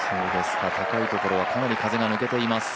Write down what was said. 高いところはかなり風が抜けています。